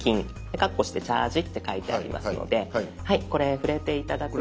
カッコして「チャージ」って書いてありますのでこれ触れて頂くと。